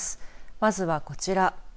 まずはこちら。